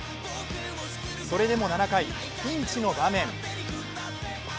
それでも７回、ピンチの場面。